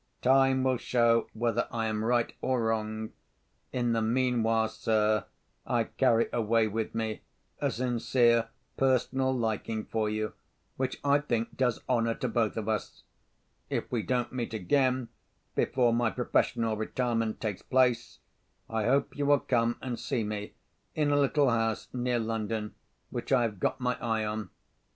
Time will show whether I am right or wrong. In the meanwhile, sir, I carry away with me a sincere personal liking for you, which I think does honour to both of us. If we don't meet again before my professional retirement takes place, I hope you will come and see me in a little house near London, which I have got my eye on.